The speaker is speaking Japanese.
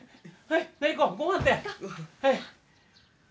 はい。